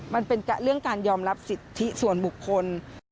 มันเป็นเรื่องการยอมรับสิทธิส่วนบุคคล